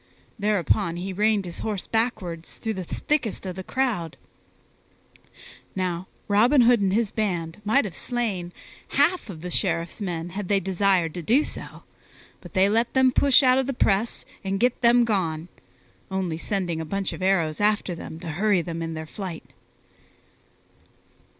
Thereupon he reined his horse backward through the thickest of the crowd. Now Robin Hood and his band might have slain half of the Sheriff's men had they desired to do so, but they let them push out of the press and get them gone, only sending a bunch of arrows after them to hurry them in their flight.